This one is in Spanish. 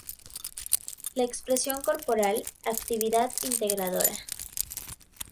La Expresión Corporal, actividad integradora.